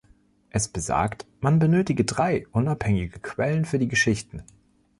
Es besagt, man benötige drei unabhängige Quellen für die Geschichten.